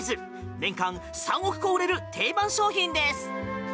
年間３億個売れる定番商品です。